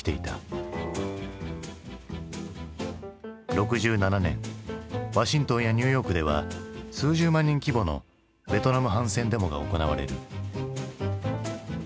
６７年ワシントンやニューヨークでは数十万人規模のベトナム反戦デモが行われる。